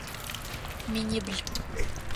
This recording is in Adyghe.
Минибл.